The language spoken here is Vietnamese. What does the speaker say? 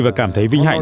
và cảm thấy vinh hạnh